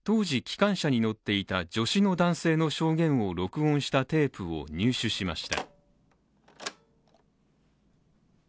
私たちは、当時機関車に乗っていた、助士の男性の証言を録音したテープを入手しました。